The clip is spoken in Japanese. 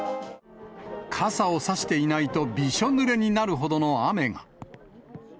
傘を差していないとびしょぬれになるほどの雨が。